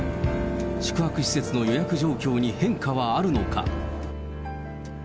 宿泊施設の予約状況に変化はあるのか。